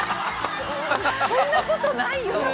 ◆そんなことないよ。